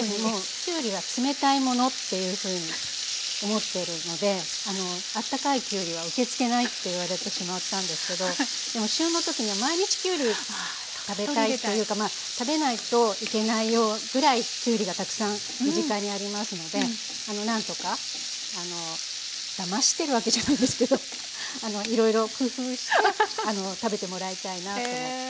きゅうりは冷たいものっていうふうに思っているので「あったかいキュウリは受け付けない」って言われてしまったんですけどでも旬の時には毎日きゅうり食べたいというか食べないといけないぐらいきゅうりがたくさん身近にありますのであの何とかだましてるわけじゃないんですけどいろいろ工夫して食べてもらいたいなと思って。